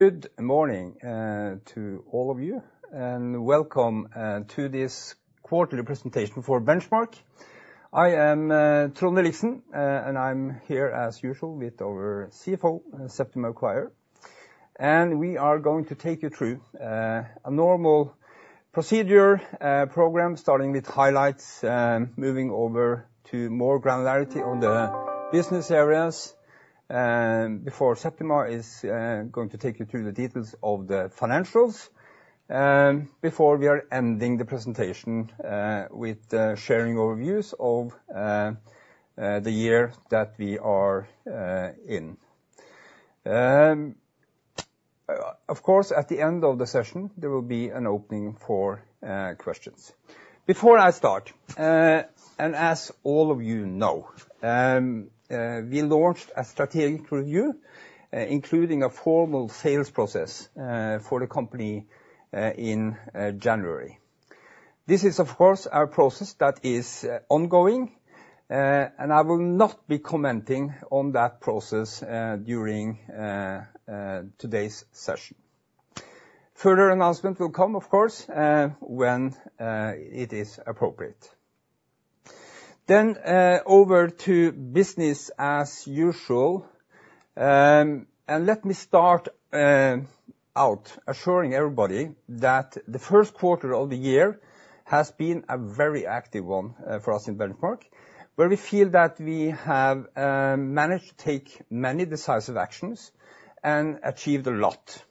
Good morning to all of you, and welcome to this quarterly presentation for Benchmark. I am Trond Williksen, and I'm here as usual with our CFO, Septima Maguire. We are going to take you through a normal procedure program, starting with highlights, moving over to more granularity on the business areas, before Septima is going to take you through the details of the financials, before we are ending the presentation with sharing overviews of the year that we are in. Of course, at the end of the session, there will be an opening for questions. Before I start, and as all of you know, we launched a strategic review including a formal sales process for the company in January. This is, of course, our process that is ongoing, and I will not be commenting on that process during today's session. Further announcement will come, of course, when it is appropriate. Then over to business as usual, and let me start out assuring everybody that the first quarter of the year has been a very active one for us in Benchmark, where we feel that we have managed to take many decisive actions and achieved a lot.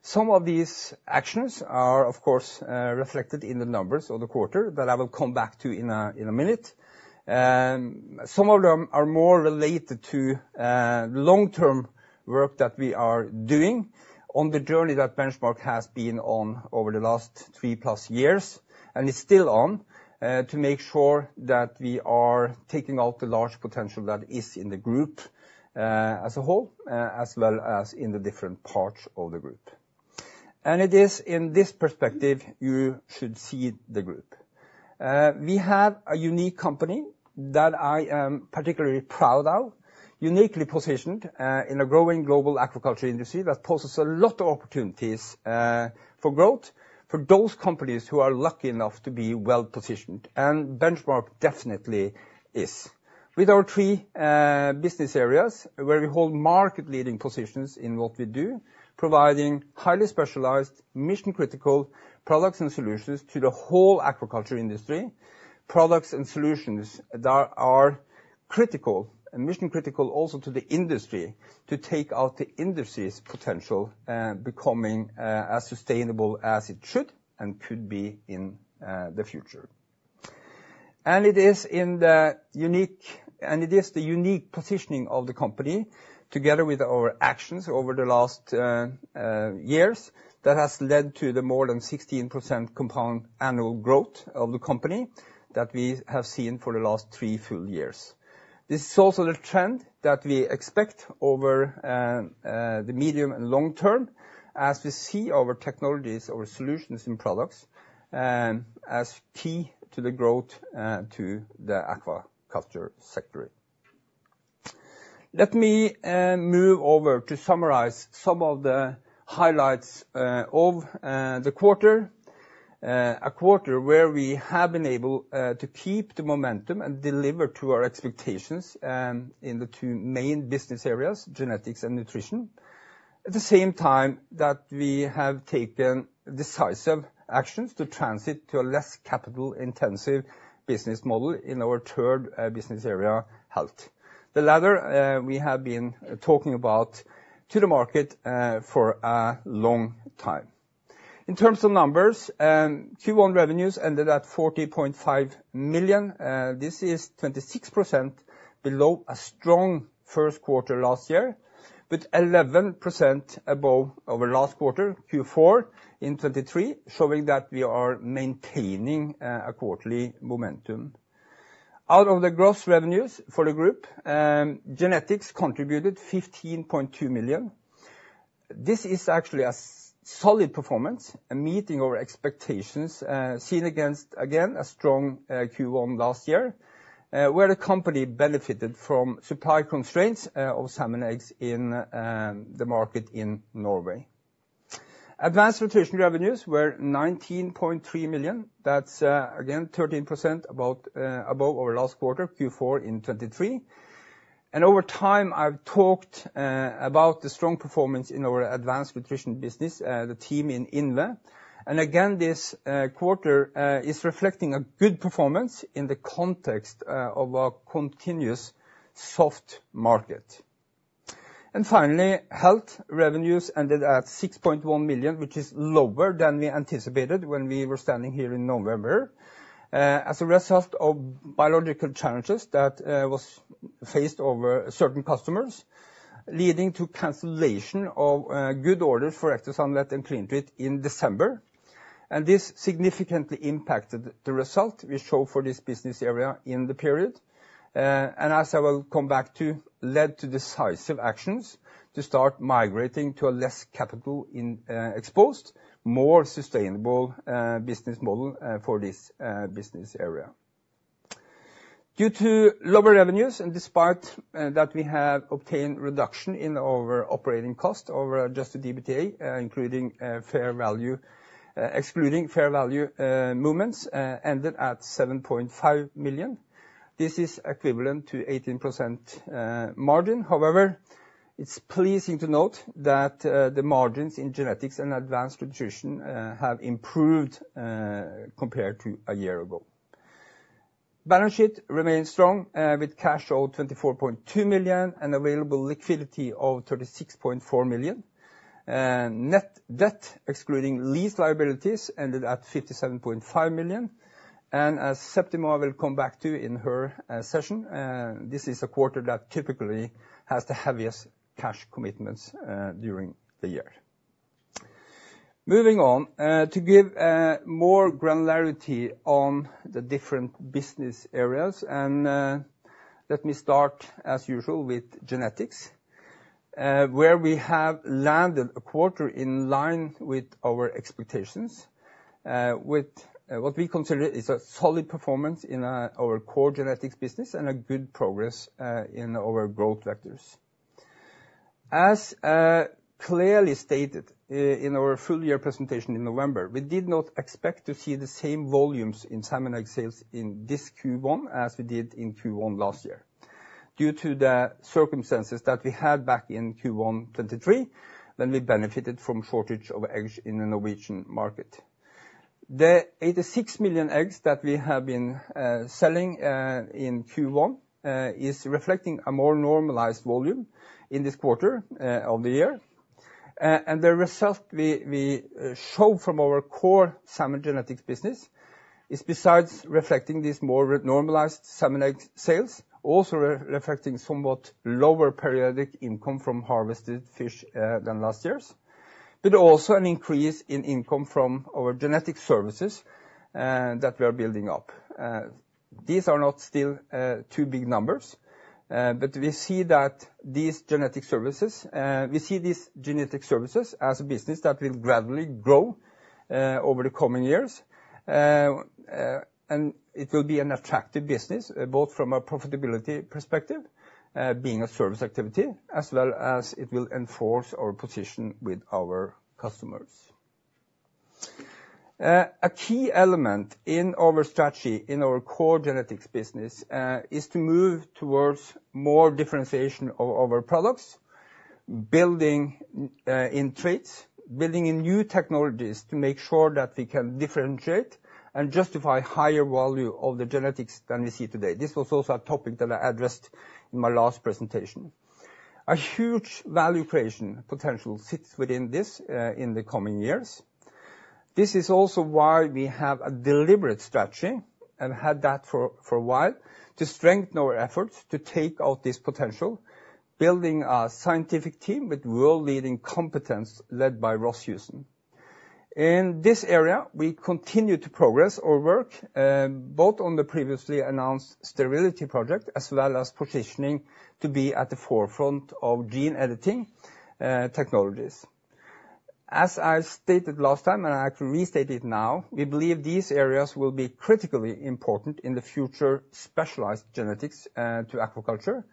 Some of these actions are, of course, reflected in the numbers of the quarter that I will come back to in a minute. Some of them are more related to long-term work that we are doing on the journey that Benchmark has been on over the last 3+ years, and is still on, to make sure that we are taking out the large potential that is in the group as a whole, as well as in the different parts of the group. It is in this perspective you should see the group. We have a unique company that I am particularly proud of, uniquely positioned in a growing global aquaculture industry that poses a lot of opportunities for growth for those companies who are lucky enough to be well-positioned, and Benchmark definitely is. With our three business areas, where we hold market-leading positions in what we do, providing highly specialized, mission-critical products and solutions to the whole aquaculture industry, products and solutions that are critical and mission-critical also to the industry to take out the industry's potential becoming as sustainable as it should and could be in the future. And it is in the unique and it is the unique positioning of the company together with our actions over the last years that has led to the more than 16% compound annual growth of the company that we have seen for the last three full years. This is also the trend that we expect over the medium and long term as we see our technologies, our solutions, and products as key to the growth to the aquaculture sector. Let me move over to summarize some of the highlights of the quarter, a quarter where we have been able to keep the momentum and deliver to our expectations in the two main business areas, Genetics and Nutrition, at the same time that we have taken decisive actions to transition to a less capital-intensive business model in our third business area, Health, the latter we have been talking about to the market for a long time. In terms of numbers, Q1 revenues ended at 40.5 million. This is 26% below a strong first quarter last year, with 11% above over last quarter, Q4 in 2023, showing that we are maintaining a quarterly momentum. Out of the gross revenues for the group, Genetics contributed 15.2 million. This is actually a solid performance, a meeting of expectations seen against, again, a strong Q1 last year where the company benefited from supply constraints of salmon eggs in the market in Norway. Advanced Nutrition revenues were 19.3 million. That's, again, 13% above over last quarter, Q4 in 2023. And over time, I've talked about the strong performance in our Advanced Nutrition business, the team in INVE. And again, this quarter is reflecting a good performance in the context of a continuous soft market. And finally, Health revenues ended at 6.1 million, which is lower than we anticipated when we were standing here in November as a result of biological challenges that was faced over certain customers, leading to cancellation of good orders for extra Ectosan Vet and CleanTreat in December. This significantly impacted the result we showed for this business area in the period. As I will come back to, led to decisive actions to start migrating to a less capital-exposed, more sustainable business model for this business area. Due to lower revenues, and despite that we have obtained reduction in our operating cost over just the EBITDA, including fair value excluding fair value movements, ended at 7.5 million. This is equivalent to 18% margin. However, it's pleasing to note that the margins in Genetics and Advanced Nutrition have improved compared to a year ago. Balance sheet remained strong with cash flow 24.2 million and available liquidity of 36.4 million. Net debt excluding lease liabilities ended at 57.5 million. As Septima will come back to in her session, this is a quarter that typically has the heaviest cash commitments during the year. Moving on, to give more granularity on the different business areas, and let me start as usual with Genetics, where we have landed a quarter in line with our expectations, with what we consider is a solid performance in our core Genetics business and a good progress in our growth vectors. As clearly stated in our full-year presentation in November, we did not expect to see the same volumes in salmon egg sales in this Q1 as we did in Q1 last year due to the circumstances that we had back in Q1 2023 when we benefited from shortage of eggs in the Norwegian market. The 86 million eggs that we have been selling in Q1 is reflecting a more normalized volume in this quarter of the year. The result we show from our core salmon genetics business is, besides reflecting these more normalized salmon egg sales, also reflecting somewhat lower periodic income from harvested fish than last year's, but also an increase in income from our genetic services that we are building up. These are not still too big numbers, but we see that these genetic services as a business that will gradually grow over the coming years, and it will be an attractive business both from a profitability perspective, being a service activity, as well as it will enforce our position with our customers. A key element in our strategy in our core Genetics business is to move towards more differentiation of our products, building in traits, building in new technologies to make sure that we can differentiate and justify higher value of the genetics than we see today. This was also a topic that I addressed in my last presentation. A huge value creation potential sits within this in the coming years. This is also why we have a deliberate strategy and had that for a while to strengthen our efforts to take out this potential, building a scientific team with world-leading competence led by Ross Houston. In this area, we continue to progress our work both on the previously announced sterility project as well as positioning to be at the forefront of gene editing technologies. As I stated last time, and I can restate it now, we believe these areas will be critically important in the future specialized genetics to aquaculture,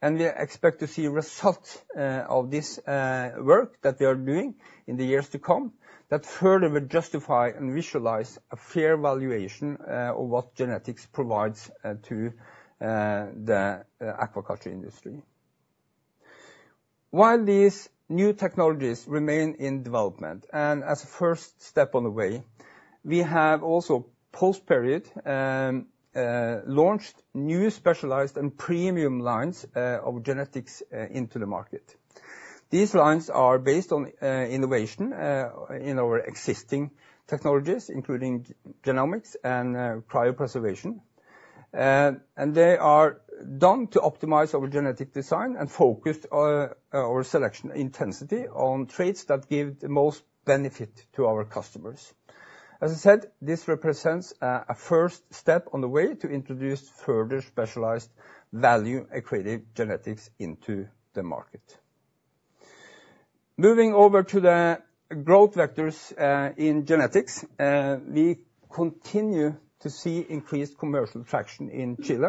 and we expect to see results of this work that we are doing in the years to come that further will justify and visualize a fair valuation of what genetics provides to the aquaculture industry. While these new technologies remain in development and as a first step on the way, we have also post-period launched new specialized and premium lines of genetics into the market. These lines are based on innovation in our existing technologies, including genomics and cryopreservation, and they are done to optimize our genetic design and focus our selection intensity on traits that give the most benefit to our customers. As I said, this represents a first step on the way to introduce further specialized value-accretive genetics into the market. Moving over to the growth vectors in genetics, we continue to see increased commercial traction in Chile.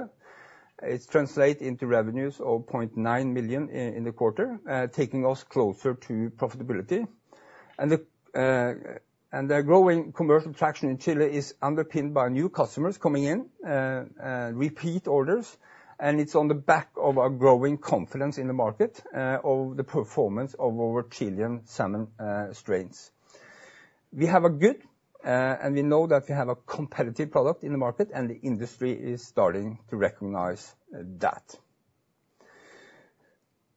It's translated into revenues of 0.9 million in the quarter, taking us closer to profitability. The growing commercial traction in Chile is underpinned by new customers coming in, repeat orders, and it's on the back of our growing confidence in the market of the performance of our Chilean salmon strains. We have a good, and we know that we have a competitive product in the market, and the industry is starting to recognize that.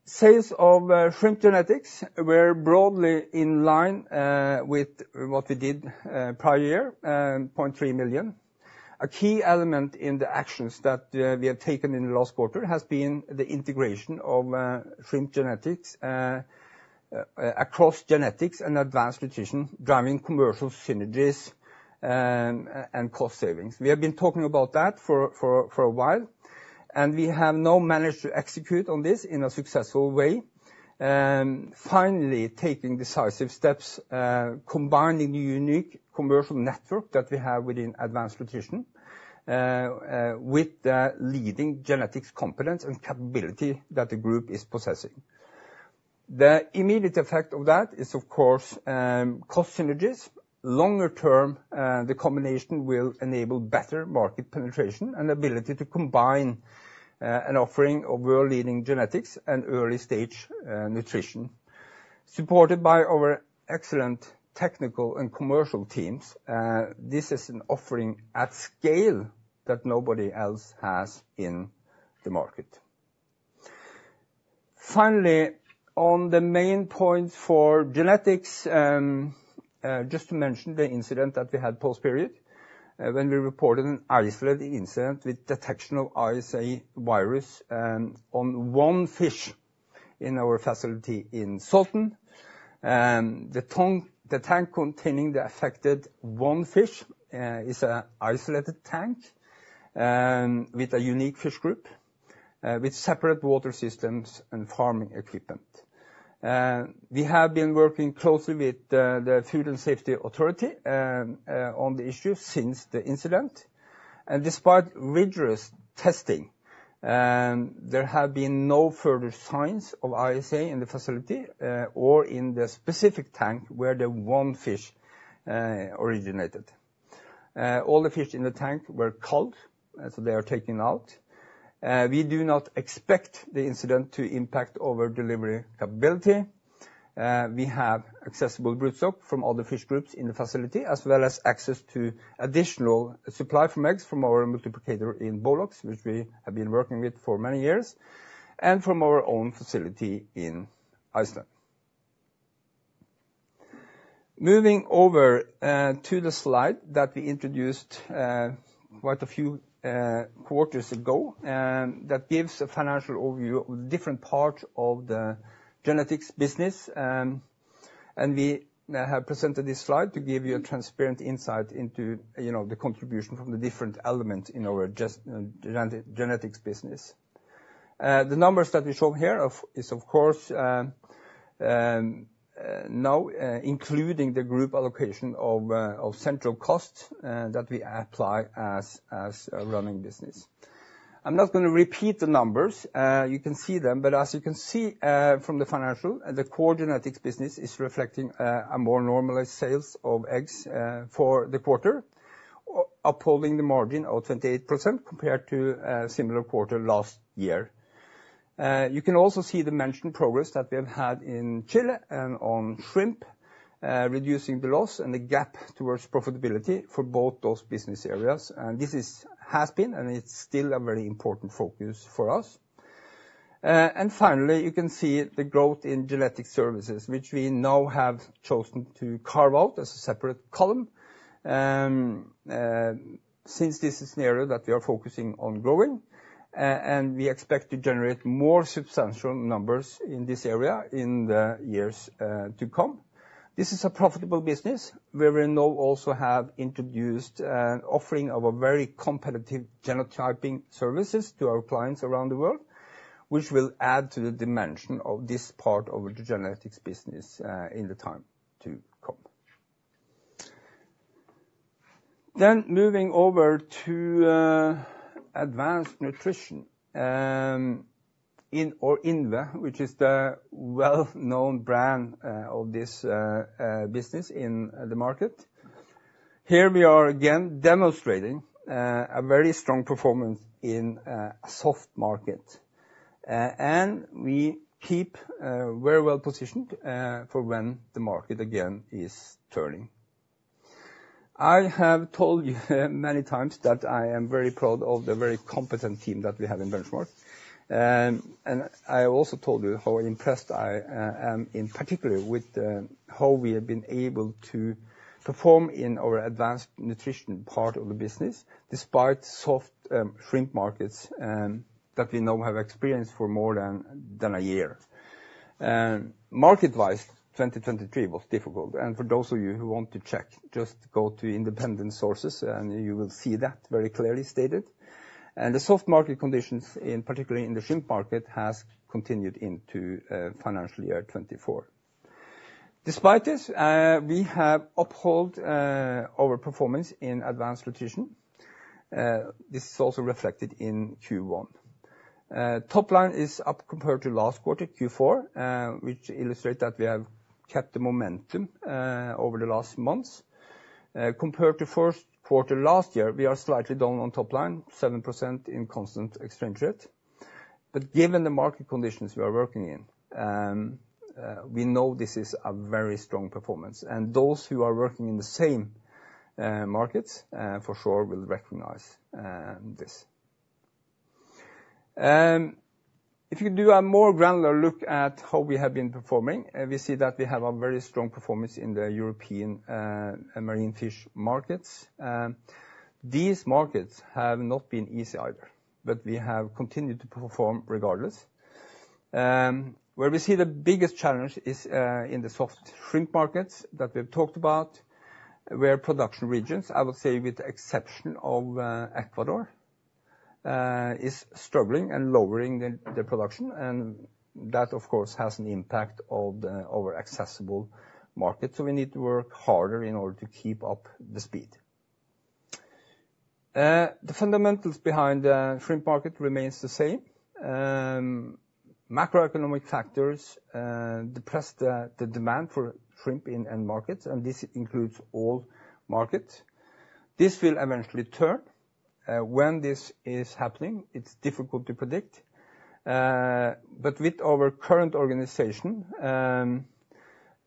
Sales of shrimp genetics were broadly in line with what we did prior year, 0.3 million. A key element in the actions that we have taken in the last quarter has been the integration of shrimp genetics across Genetics and Advanced Nutrition, driving commercial synergies and cost savings. We have been talking about that for a while, and we have now managed to execute on this in a successful way, finally taking decisive steps, combining the unique commercial network that we have within Advanced Nutrition with the leading genetics competence and capability that the group is possessing. The immediate effect of that is, of course, cost synergies. Longer term, the combination will enable better market penetration and ability to combine an offering of world-leading genetics and early-stage nutrition. Supported by our excellent technical and commercial teams, this is an offering at scale that nobody else has in the market. Finally, on the main points for Genetics, just to mention the incident that we had post-period when we reported an isolated incident with detection of ISA virus on one fish in our facility in Salten. The tank containing the affected one fish is an isolated tank with a unique fish group, with separate water systems and farming equipment. We have been working closely with the Food Safety Authority on the issue since the incident. Despite rigorous testing, there have been no further signs of ISA in the facility or in the specific tank where the one fish originated. All the fish in the tank were culled, so they are taken out. We do not expect the incident to impact our delivery capability. We have accessible broodstock from other fish groups in the facility, as well as access to additional supply from eggs from our multiplicator in Bolaks, which we have been working with for many years, and from our own facility in Iceland. Moving over to the slide that we introduced quite a few quarters ago that gives a financial overview of the different parts of the Genetics business. We have presented this slide to give you a transparent insight into the contribution from the different elements in our Genetics business. The numbers that we show here are, of course, now including the group allocation of central costs that we apply as a running business. I'm not going to repeat the numbers. You can see them, but as you can see from the financial, the core Genetics business is reflecting a more normalized sales of eggs for the quarter, upholding the margin of 28% compared to a similar quarter last year. You can also see the mentioned progress that we have had in Chile on shrimp, reducing the loss and the gap towards profitability for both those business areas. This has been, and it's still, a very important focus for us. And finally, you can see the growth in genetic services, which we now have chosen to carve out as a separate column since this is an area that we are focusing on growing, and we expect to generate more substantial numbers in this area in the years to come. This is a profitable business where we now also have introduced an offering of very competitive genotyping services to our clients around the world, which will add to the dimension of this part of the Genetics business in the time to come. Moving over to Advanced Nutrition in our INVE, which is the well-known brand of this business in the market. Here, we are again demonstrating a very strong performance in a soft market, and we keep very well positioned for when the market again is turning. I have told you many times that I am very proud of the very competent team that we have in Benchmark. I also told you how impressed I am, in particular, with how we have been able to perform in our Advanced Nutrition part of the business despite soft shrimp markets that we now have experienced for more than a year. Market-wise, 2023 was difficult. For those of you who want to check, just go to independent sources, and you will see that very clearly stated. The soft market conditions, particularly in the shrimp market, have continued into financial year 2024. Despite this, we have upheld our performance in Advanced Nutrition. This is also reflected in Q1. Top line is up compared to last quarter, Q4, which illustrates that we have kept the momentum over the last months. Compared to first quarter last year, we are slightly down on top line, 7% in constant exchange rate. But given the market conditions we are working in, we know this is a very strong performance. And those who are working in the same markets for sure will recognize this. If you do a more granular look at how we have been performing, we see that we have a very strong performance in the European marine fish markets. These markets have not been easy either, but we have continued to perform regardless. Where we see the biggest challenge is in the soft shrimp markets that we have talked about, where production regions, I would say with the exception of Ecuador, are struggling and lowering their production. And that, of course, has an impact on our accessible market, so we need to work harder in order to keep up the speed. The fundamentals behind the shrimp market remain the same. Macroeconomic factors depress the demand for shrimp in end markets, and this includes all markets. This will eventually turn. When this is happening, it's difficult to predict. But with our current organization and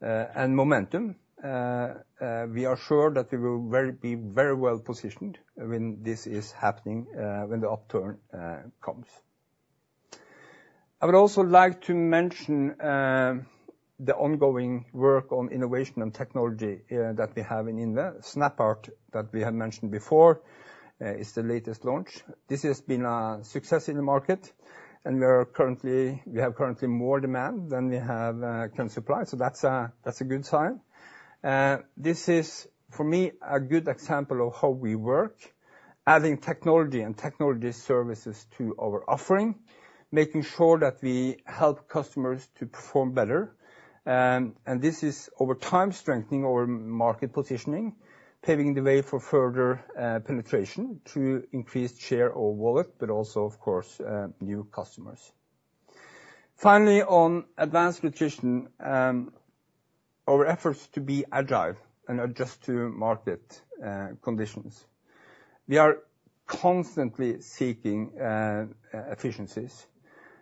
momentum, we are sure that we will be very well positioned when this is happening, when the upturn comes. I would also like to mention the ongoing work on innovation and technology that we have in INVE. SnappArt, that we have mentioned before, is the latest launch. This has been a success in the market, and we have currently more demand than we can supply, so that's a good sign. This is, for me, a good example of how we work, adding technology and technology services to our offering, making sure that we help customers to perform better. This is, over time, strengthening our market positioning, paving the way for further penetration through increased share of wallet, but also, of course, new customers. Finally, on Advanced Nutrition, our efforts to be agile and adjust to market conditions. We are constantly seeking efficiencies,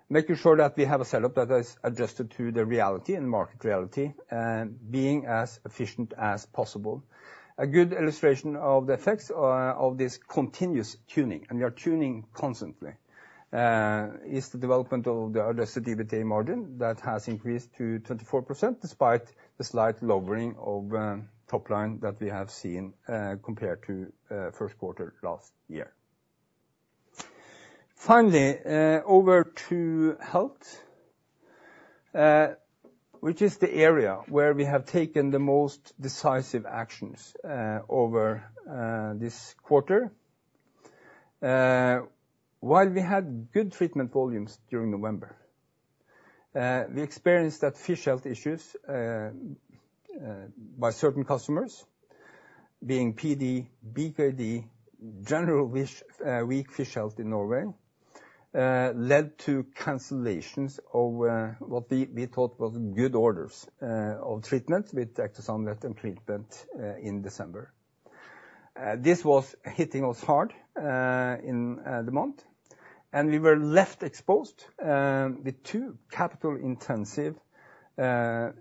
making sure that we have a setup that is adjusted to the reality and market reality, being as efficient as possible. A good illustration of the effects of this continuous tuning, and we are tuning constantly, is the development of the adjusted EBITDA margin that has increased to 24% despite the slight lowering of top line that we have seen compared to first quarter last year. Finally, over to Health, which is the area where we have taken the most decisive actions over this quarter. While we had good treatment volumes during November, we experienced that fish health issues by certain customers, being PD, BKD, general weak fish health in Norway, led to cancellations of what we thought were good orders of treatment with Ectosan Vet and treatment in December. This was hitting us hard in the month, and we were left exposed with two capital-intensive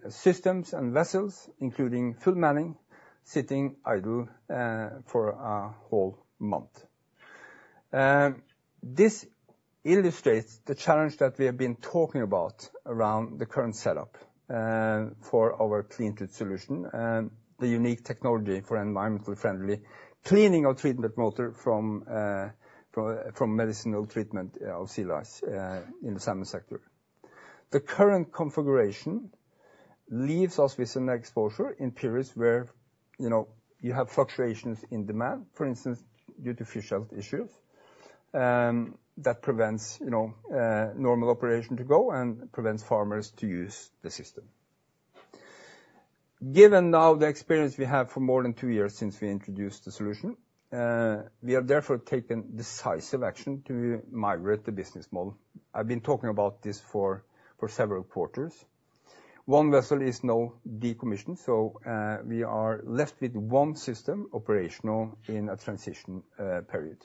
systems and vessels, including full manning, sitting idle for a whole month. This illustrates the challenge that we have been talking about around the current setup for our CleanTreat solution, the unique technology for environmentally friendly cleaning of treatment water from medicinal treatment of sea lice in the salmon sector. The current configuration leaves us with an exposure in periods where you have fluctuations in demand, for instance, due to fish health issues that prevent normal operation to go and prevent farmers to use the system. Given now the experience we have for more than two years since we introduced the solution, we have therefore taken decisive action to migrate the business model. I've been talking about this for several quarters. One vessel is now decommissioned, so we are left with one system operational in a transition period.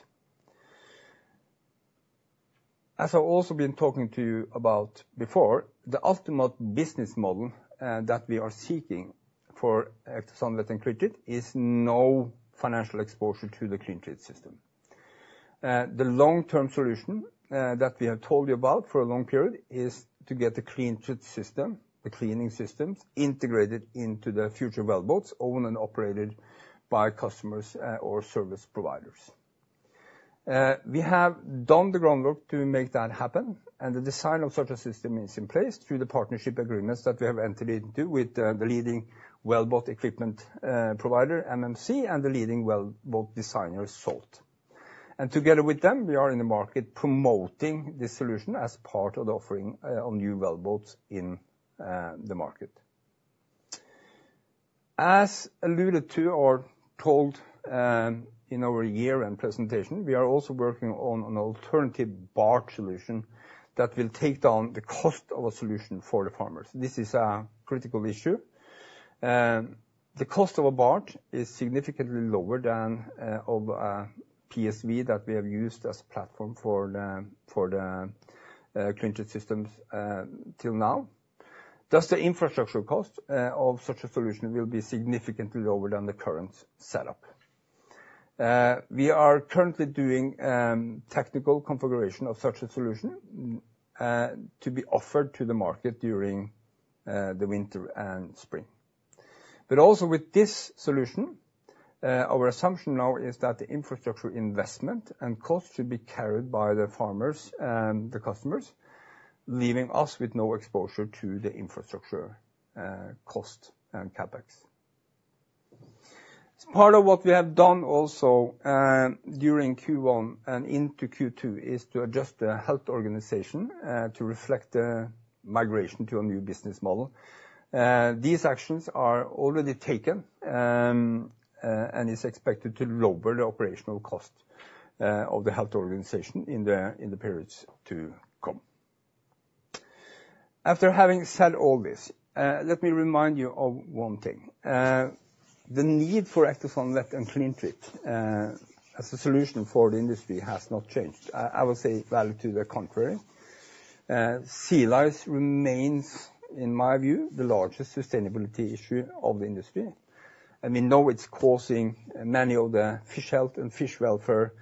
As I've also been talking to you about before, the ultimate business model that we are seeking for Ectosan Vet and CleanTreat is no financial exposure to the CleanTreat system. The long-term solution that we have told you about for a long period is to get the CleanTreat system, the cleaning systems, integrated into the future wellboats, owned and operated by customers or service providers. We have done the groundwork to make that happen, and the design of such a system is in place through the partnership agreements that we have entered into with the leading wellboat equipment provider, MMC, and the leading wellboat designer, Salt. Together with them, we are in the market promoting this solution as part of the offering of new wellboats in the market. As alluded to or told in our year-end presentation, we are also working on an alternative barge solution that will take down the cost of a solution for the farmers. This is a critical issue. The cost of a barge is significantly lower than of a PSV that we have used as a platform for the CleanTreat systems till now. Thus, the infrastructure cost of such a solution will be significantly lower than the current setup. We are currently doing technical configuration of such a solution to be offered to the market during the winter and spring. But also, with this solution, our assumption now is that the infrastructure investment and cost should be carried by the farmers and the customers, leaving us with no exposure to the infrastructure cost and CapEx. Part of what we have done also during Q1 and into Q2 is to adjust the health organization to reflect the migration to a new business model. These actions are already taken, and it's expected to lower the operational cost of the health organization in the periods to come. After having said all this, let me remind you of one thing. The need for Ectosan Vet and CleanTreat as a solution for the industry has not changed. I would say valid to the contrary. Sea lice remains, in my view, the largest sustainability issue of the industry, and we know it's causing many of the fish health and fish welfare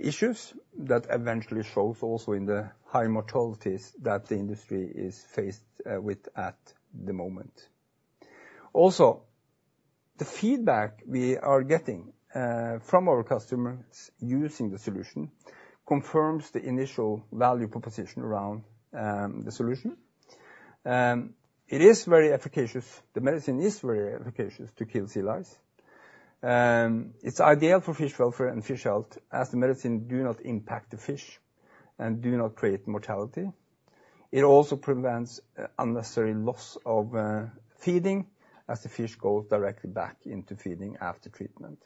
issues that eventually show also in the high mortalities that the industry is faced with at the moment. Also, the feedback we are getting from our customers using the solution confirms the initial value proposition around the solution. It is very efficacious. The medicine is very efficacious to kill sea lice. It's ideal for fish welfare and fish health as the medicine does not impact the fish and does not create mortality. It also prevents unnecessary loss of feeding as the fish goes directly back into feeding after treatment.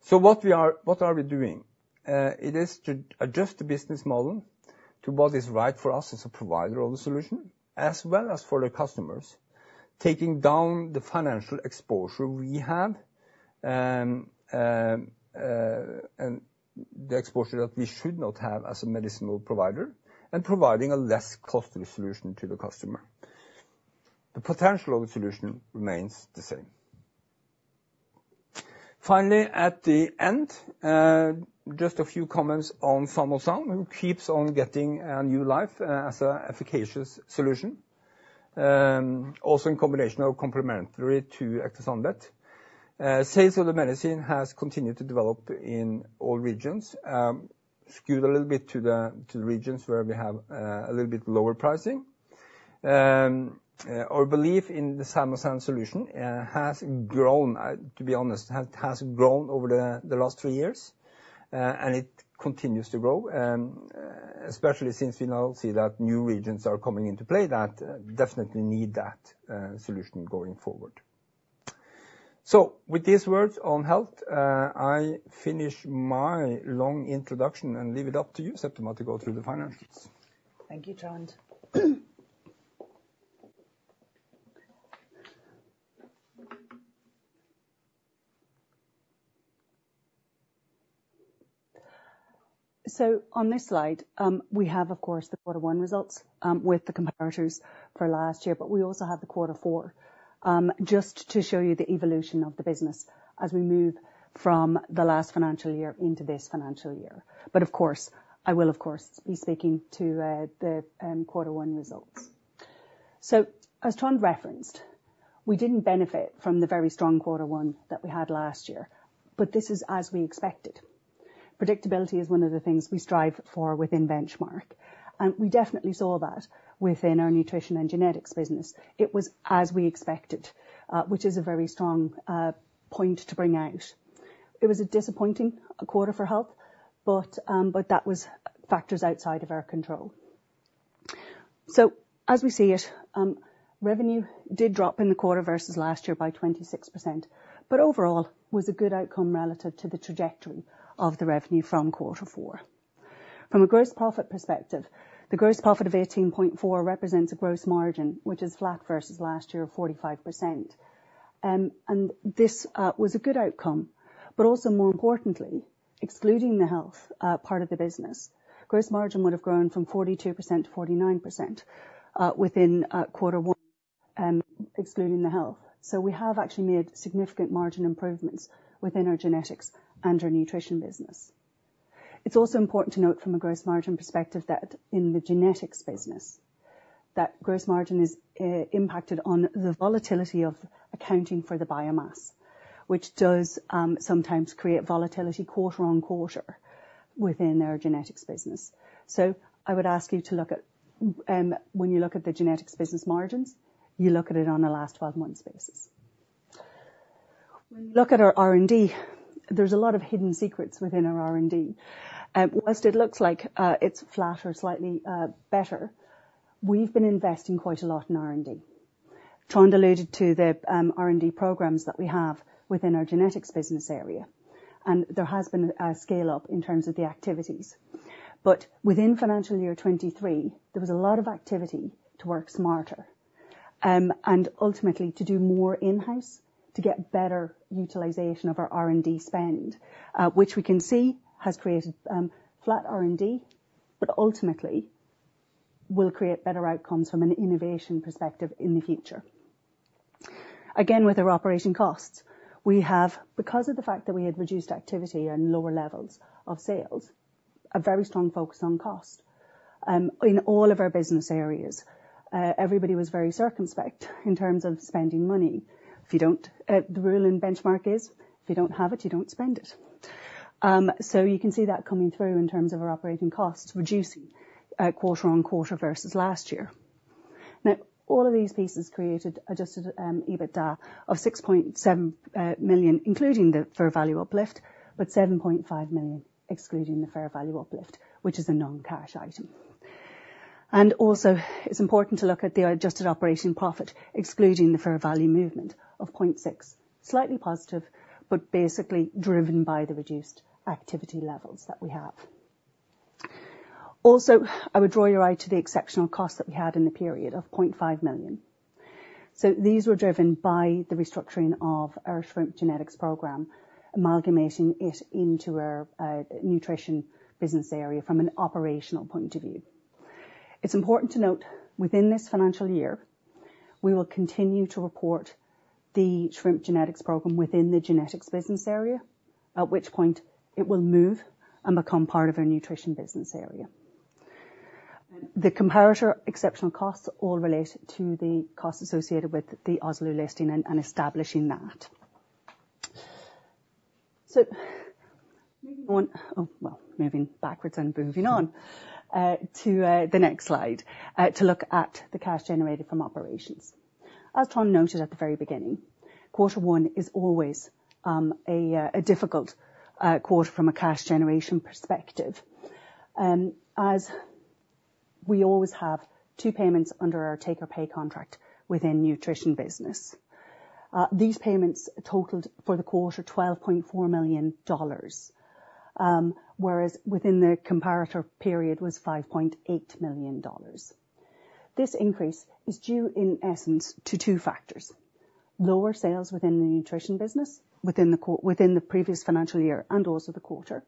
So what are we doing? It is to adjust the business model to what is right for us as a provider of the solution, as well as for the customers, taking down the financial exposure we have and the exposure that we should not have as a medicinal provider and providing a less costly solution to the customer. The potential of the solution remains the same. Finally, at the end, just a few comments on Salmosan Vet, who keeps on getting a new life as an efficacious solution, also in combination or complementary to Ectosan Vet. Sales of the medicine have continued to develop in all regions, skewed a little bit to the regions where we have a little bit lower pricing. Our belief in the Salmosan solution has grown, to be honest, has grown over the last three years, and it continues to grow, especially since we now see that new regions are coming into play that definitely need that solution going forward. So with these words on health, I finish my long introduction and leave it up to you, Septima, to go through the financials. Thank you, Trond. So on this slide, we have, of course, the quarter one results with the comparators for last year, but we also have the quarter four just to show you the evolution of the business as we move from the last financial year into this financial year. But, of course, I will, of course, be speaking to the quarter one results. So as Trond referenced, we didn't benefit from the very strong quarter one that we had last year, but this is as we expected. Predictability is one of the things we strive for within Benchmark, and we definitely saw that within our Nutrition and Genetics business. It was as we expected, which is a very strong point to bring out. It was a disappointing quarter for Health, but that was factors outside of our control. So as we see it, revenue did drop in the quarter versus last year by 26%, but overall was a good outcome relative to the trajectory of the revenue from quarter four. From a gross profit perspective, the gross profit of 18.4% represents a gross margin, which is flat versus last year of 45%. This was a good outcome, but also, more importantly, excluding the health part of the business, gross margin would have grown from 42%-49% within quarter one, excluding the health. So we have actually made significant margin improvements within our Genetics and our Nutrition business. It's also important to note from a gross margin perspective that in the Genetics business, that gross margin is impacted on the volatility of accounting for the biomass, which does sometimes create volatility quarter-on-quarter within our Genetics business. So I would ask you to look at when you look at the Genetics business margins, you look at it on a last 12-month basis. When you look at our R&D, there's a lot of hidden secrets within our R&D. While it looks like it's flat or slightly better, we've been investing quite a lot in R&D. Trond alluded to the R&D programs that we have within our Genetics business area, and there has been a scale-up in terms of the activities. But within financial year 2023, there was a lot of activity to work smarter and, ultimately, to do more in-house to get better utilization of our R&D spend, which we can see has created flat R&D, but ultimately will create better outcomes from an innovation perspective in the future. Again, with our operating costs, we have, because of the fact that we had reduced activity and lower levels of sales, a very strong focus on cost. In all of our business areas, everybody was very circumspect in terms of spending money. The rule in Benchmark is, if you don't have it, you don't spend it. So you can see that coming through in terms of our operating costs, reducing quarter-on-quarter versus last year. Now, all of these pieces created adjusted EBITDA of 6.7 million, including the fair value uplift, but 7.5 million excluding the fair value uplift, which is a non-cash item. And also, it's important to look at the adjusted operating profit excluding the fair value movement of 0.6 million, slightly positive, but basically driven by the reduced activity levels that we have. Also, I would draw your eye to the exceptional cost that we had in the period of 0.5 million. So these were driven by the restructuring of our shrimp genetics program, amalgamating it into our Nutrition business area from an operational point of view. It's important to note, within this financial year, we will continue to report the shrimp genetics program within the Genetics business area, at which point it will move and become part of our Nutrition business area. The comparator exceptional costs all relate to the costs associated with the Oslo listing and establishing that. So moving on oh, well, moving backwards and moving on to the next slide to look at the cash generated from operations. As Trond noted at the very beginning, quarter one is always a difficult quarter from a cash generation perspective, as we always have two payments under our take-or-pay contract within Nutrition business. These payments totaled for the quarter $12.4 million, whereas within the comparator period was $5.8 million. This increase is due, in essence, to two factors: lower sales within the Nutrition business within the previous financial year and also the quarter,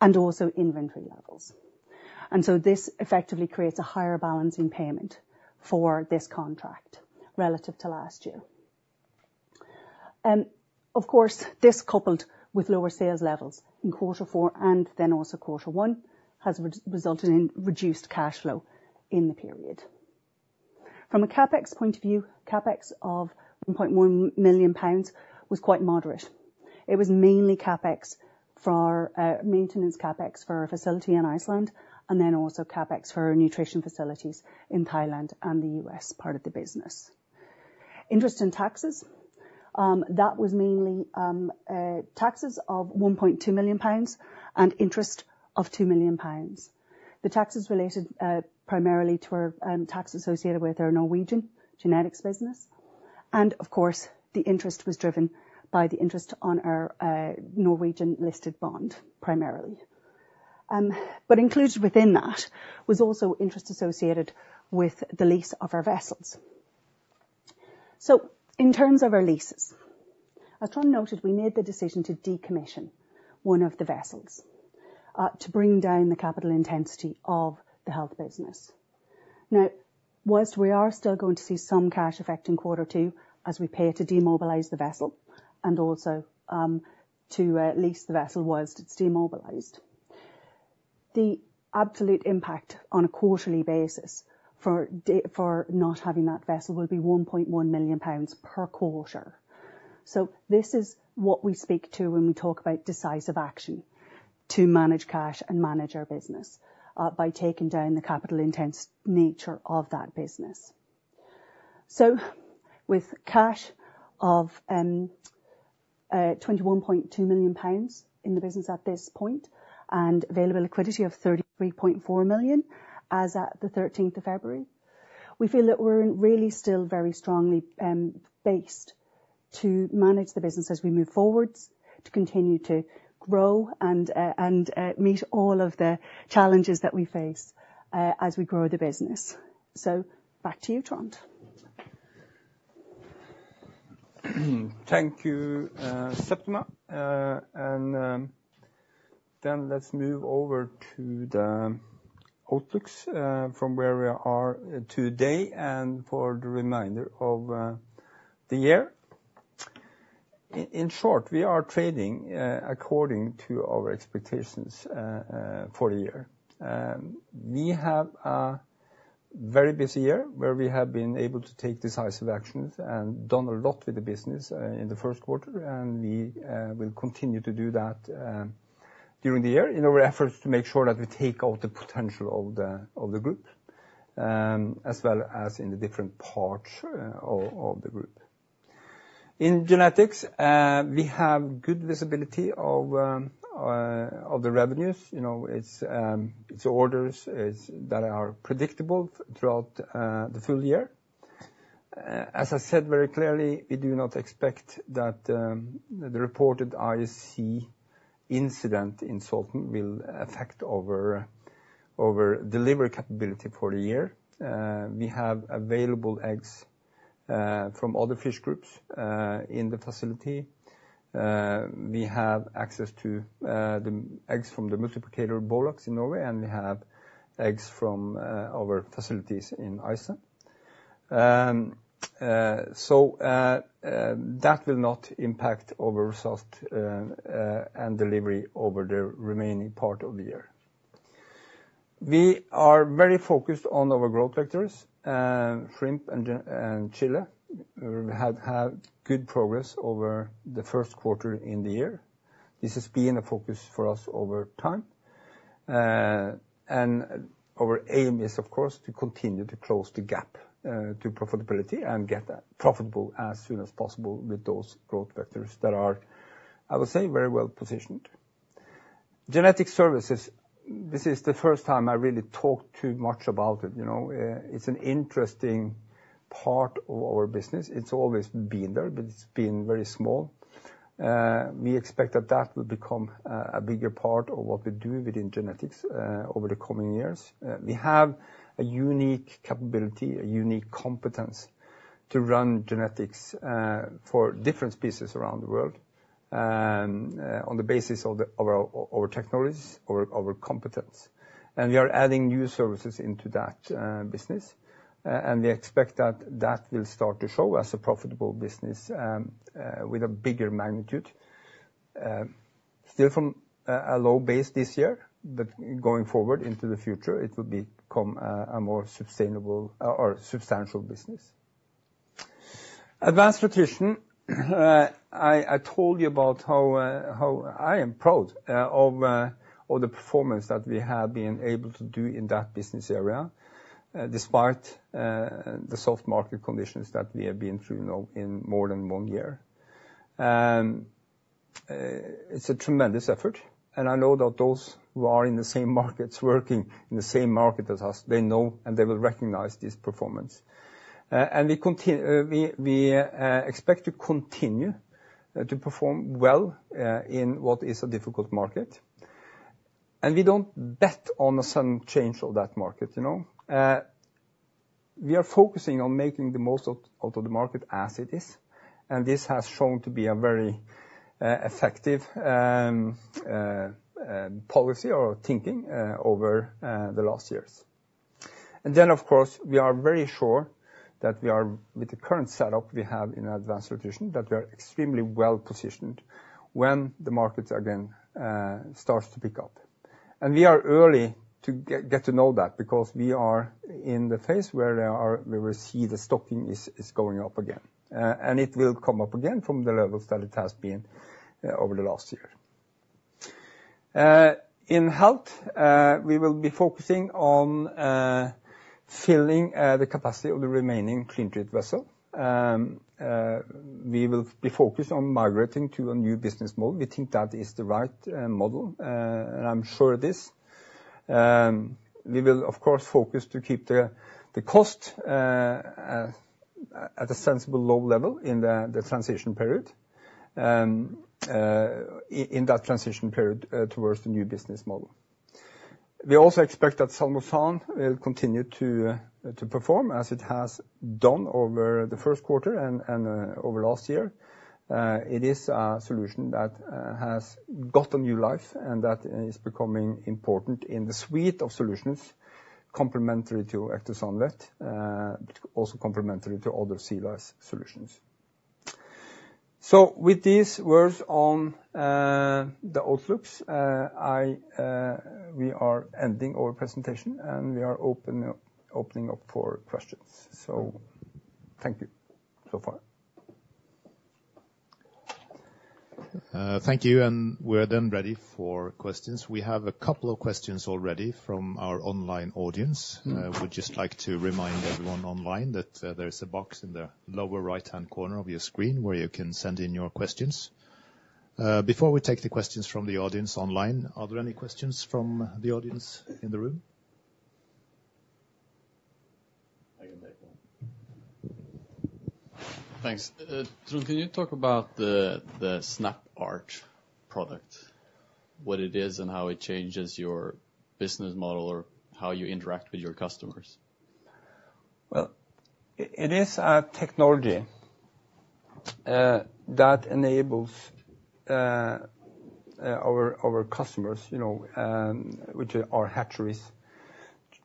and also inventory levels. And so this effectively creates a higher balancing payment for this contract relative to last year. Of course, this coupled with lower sales levels in quarter four and then also quarter one has resulted in reduced cash flow in the period. From a CapEx point of view, CapEx of 1.1 million pounds was quite moderate. It was mainly CapEx for maintenance, CapEx for a facility in Iceland, and then also CapEx for nutrition facilities in Thailand and the U.S. part of the business. Interest and taxes, that was mainly taxes of 1.2 million pounds and interest of 2 million pounds. The taxes related primarily to our tax associated with our Norwegian genetics business. Of course, the interest was driven by the interest on our Norwegian listed bond primarily. Included within that was also interest associated with the lease of our vessels. In terms of our leases, as Trond noted, we made the decision to decommission one of the vessels to bring down the capital intensity of the Health business. Now, while we are still going to see some cash affecting quarter two as we pay to demobilize the vessel and also to lease the vessel while it's demobilized, the absolute impact on a quarterly basis for not having that vessel will be 1.1 million pounds per quarter. So this is what we speak to when we talk about decisive action to manage cash and manage our business by taking down the capital-intense nature of that business. So with cash of 21.2 million pounds in the business at this point and available liquidity of 33.4 million as at the 13th of February, we feel that we're really still very strongly based to manage the business as we move forward, to continue to grow and meet all of the challenges that we face as we grow the business. So back to you, Trond. Thank you, Septima. Then let's move over to the outlooks from where we are today and for the remainder of the year. In short, we are trading according to our expectations for the year. We have a very busy year where we have been able to take decisive actions and done a lot with the business in the first quarter, and we will continue to do that during the year in our efforts to make sure that we take out the potential of the group as well as in the different parts of the group. In Genetics, we have good visibility of the revenues. It's orders that are predictable throughout the full year. As I said very clearly, we do not expect that the reported ISA incident in Salten will affect our delivery capability for the year. We have available eggs from other fish groups in the facility. We have access to the eggs from the multiplicator Bolaks in Norway, and we have eggs from our facilities in Iceland. So that will not impact our result and delivery over the remaining part of the year. We are very focused on our growth vectors, shrimp and Chile. We have good progress over the first quarter in the year. This has been a focus for us over time. And our aim is, of course, to continue to close the gap to profitability and get profitable as soon as possible with those growth vectors that are, I would say, very well positioned. Genetic services, this is the first time I really talk too much about it. It's an interesting part of our business. It's always been there, but it's been very small. We expect that that will become a bigger part of what we do within Genetics over the coming years. We have a unique capability, a unique competence to run genetics for different species around the world on the basis of our technologies, our competence. And we are adding new services into that business, and we expect that that will start to show as a profitable business with a bigger magnitude. Still from a low base this year, but going forward into the future, it will become a more substantial business. Advanced Nutrition, I told you about how I am proud of the performance that we have been able to do in that business area despite the soft market conditions that we have been through in more than one year. It's a tremendous effort, and I know that those who are in the same markets working in the same market as us, they know and they will recognize this performance. And we expect to continue to perform well in what is a difficult market. And we don't bet on a sudden change of that market. We are focusing on making the most out of the market as it is. And this has shown to be a very effective policy or thinking over the last years. And then, of course, we are very sure that we are, with the current setup we have in Advanced Nutrition, that we are extremely well positioned when the market again starts to pick up. And we are early to get to know that because we are in the phase where we will see the stocking is going up again. And it will come up again from the levels that it has been over the last year. In Health, we will be focusing on filling the capacity of the remaining CleanTreat vessel. We will be focused on migrating to a new business model. We think that is the right model, and I'm sure it is. We will, of course, focus to keep the cost at a sensible low level in the transition period, in that transition period towards the new business model. We also expect that Salmosan will continue to perform as it has done over the first quarter and over last year. It is a solution that has got a new life and that is becoming important in the suite of solutions complementary to Ectosan Vet, also complementary to other sea lice solutions. So with these words on the outlooks, we are ending our presentation, and we are opening up for questions. So thank you so far. Thank you. We are then ready for questions. We have a couple of questions already from our online audience. We'd just like to remind everyone online that there's a box in the lower right-hand corner of your screen where you can send in your questions. Before we take the questions from the audience online, are there any questions from the audience in the room? I can take one. Thanks. Trond, can you talk about the SnappArt product, what it is and how it changes your business model or how you interact with your customers? Well, it is a technology that enables our customers, which are hatcheries,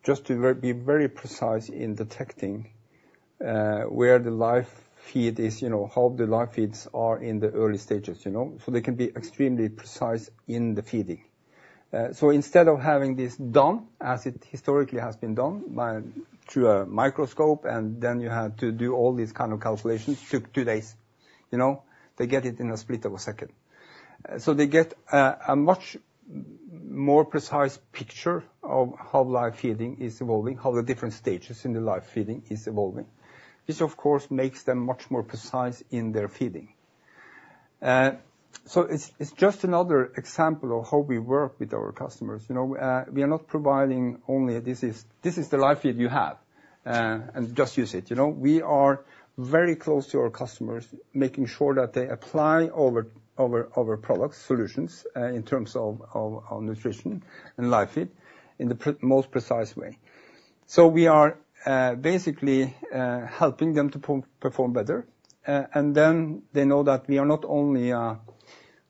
just to be very precise in detecting where the live feed is, how the live feeds are in the early stages, so they can be extremely precise in the feeding. So instead of having this done as it historically has been done through a microscope, and then you had to do all these kinds of calculations, took two days. They get it in a split of a second. So they get a much more precise picture of how live feeding is evolving, how the different stages in the live feeding is evolving, which, of course, makes them much more precise in their feeding. So it's just another example of how we work with our customers. We are not providing only, "This is the live feed you have and just use it." We are very close to our customers, making sure that they apply our products, solutions in terms of nutrition and live feed in the most precise way. We are basically helping them to perform better. Then they know that we are not only a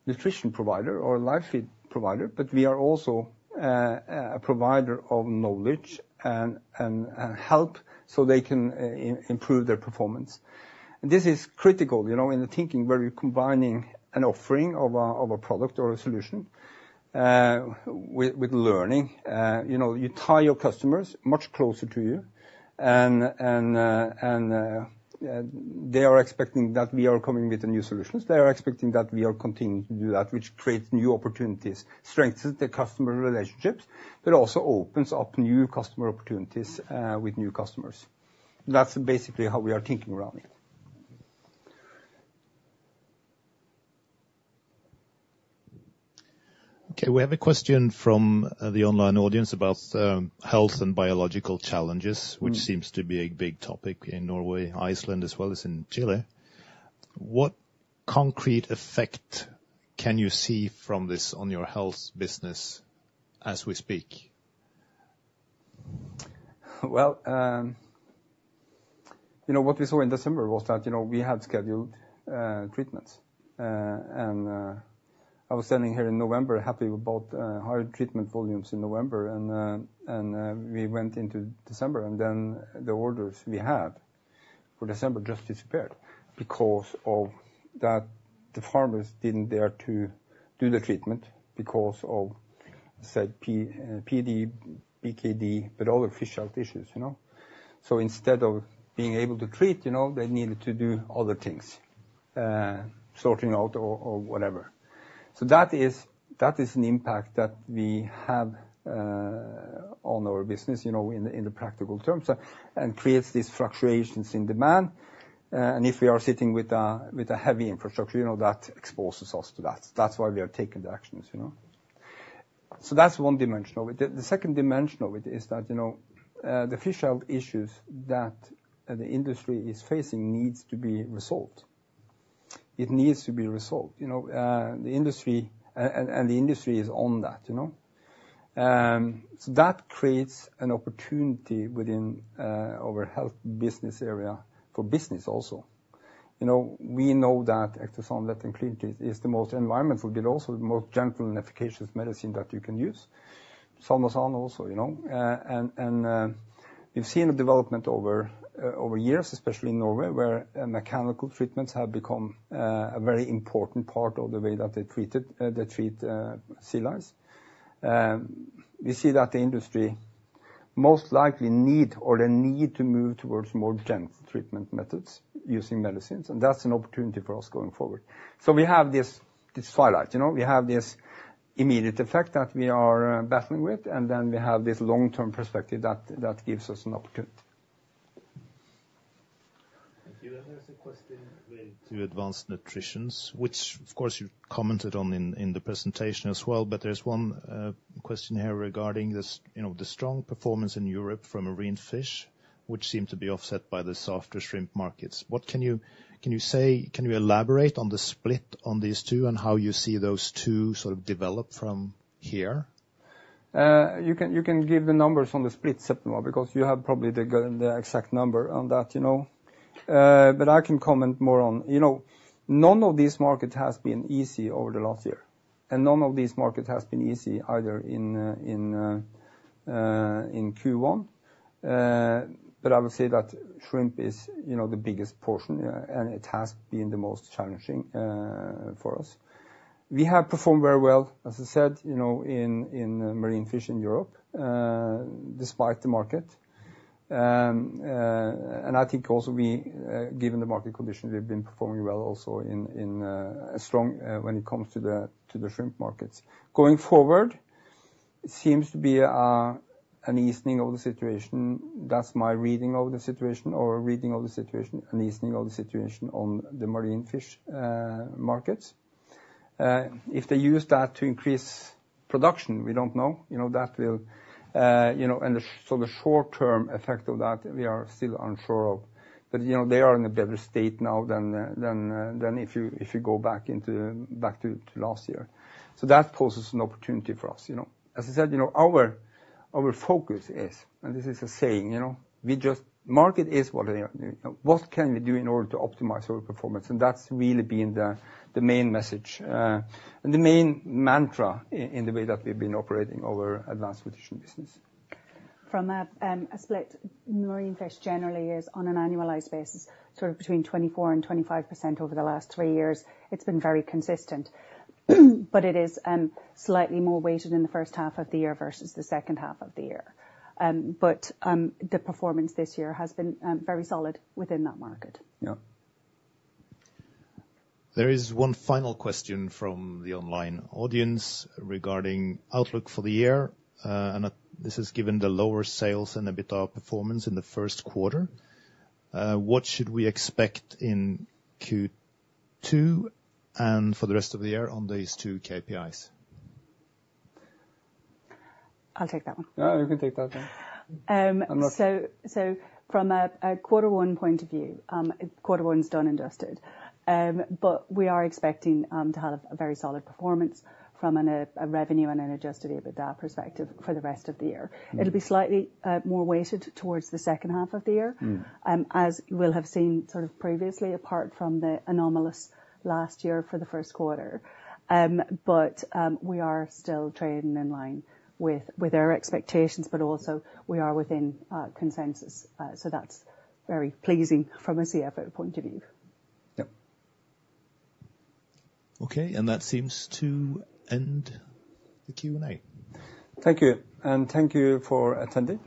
nutrition provider or a live feed provider, but we are also a provider of knowledge and help so they can improve their performance. This is critical in the thinking where you're combining an offering of a product or a solution with learning. You tie your customers much closer to you, and they are expecting that we are coming with the new solutions. They are expecting that we are continuing to do that, which creates new opportunities, strengthens the customer relationships, but also opens up new customer opportunities with new customers. That's basically how we are thinking around it. Okay. We have a question from the online audience about health and biological challenges, which seems to be a big topic in Norway, Iceland as well as in Chile. What concrete effect can you see from this on your Health business as we speak? Well, what we saw in December was that we had scheduled treatments. I was standing here in November, happy about higher treatment volumes in November. We went into December, and then the orders we have for December just disappeared because of that the farmers didn't dare to do the treatment because of, say, PD, BKD, but other fish health issues. Instead of being able to treat, they needed to do other things, sorting out or whatever. So that is an impact that we have on our business in the practical terms and creates these fluctuations in demand. If we are sitting with a heavy infrastructure, that exposes us to that. That's why we are taking the actions. So that's one dimension of it. The second dimension of it is that the fish health issues that the industry is facing need to be resolved. It needs to be resolved. The industry is on that. That creates an opportunity within our Health business area for business also. We know that Ectosan Vet and CleanTreat is the most environmental, but also the most gentle and efficacious medicine that you can use, Salmosan also. We've seen a development over years, especially in Norway, where mechanical treatments have become a very important part of the way that they treat sea lice. We see that the industry most likely need or they need to move towards more gentle treatment methods using medicines. That's an opportunity for us going forward. We have this twilight. We have this immediate effect that we are battling with, and then we have this long-term perspective that gives us an opportunity. Thank you. And there's a question linked to Advanced Nutrition, which, of course, you commented on in the presentation as well. But there's one question here regarding the strong performance in Europe for marine fish, which seem to be offset by the softer shrimp markets. What can you say? Can you elaborate on the split on these two and how you see those two sort of develop from here? You can give the numbers on the split, Septima, because you have probably the exact number on that. But I can comment more on none of these markets has been easy over the last year, and none of these markets has been easy either in Q1. But I would say that shrimp is the biggest portion, and it has been the most challenging for us. We have performed very well, as I said, in marine fish in Europe despite the market. And I think also, given the market condition, we've been performing well also when it comes to the shrimp markets. Going forward, it seems to be an easing of the situation. That's my reading of the situation, or reading of the situation, an easing of the situation on the marine fish markets. If they use that to increase production, we don't know. The short-term effect of that, we are still unsure of. But they are in a better state now than if you go back to last year. That poses an opportunity for us. As I said, our focus is, and this is a saying, the market is what they are. What can we do in order to optimize our performance? That's really been the main message and the main mantra in the way that we've been operating our Advanced Nutrition business. From a split, marine fish generally is on an annualized basis sort of between 24%-25% over the last three years. It's been very consistent, but it is slightly more weighted in the first half of the year versus the second half of the year. The performance this year has been very solid within that market. Yeah. There is one final question from the online audience regarding outlook for the year. This is given the lower sales and a bit of performance in the first quarter. What should we expect in Q2 and for the rest of the year on these two KPIs? I'll take that one. Yeah, you can take that one. From a Q1 point of view, Q1 is done and dusted. We are expecting to have a very solid performance from a revenue and an adjusted EBITDA perspective for the rest of the year. It'll be slightly more weighted towards the second half of the year, as we'll have seen sort of previously, apart from the anomalous last year for the first quarter. We are still trading in line with our expectations, but also we are within consensus. That's very pleasing from a CFO point of view. Yeah. Okay. That seems to end the Q&A. Thank you. Thank you for attending.